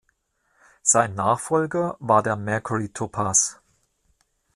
Sein Nachfolger war der Mercury Topaz.